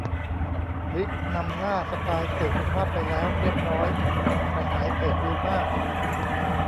ดริฟต์นำหน้าสไตล์สื่อคุณภาพไปแล้วเรียบร้อย กระหายเพจวิวมาก